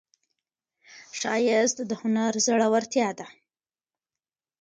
ښایست د هنر زړورتیا ده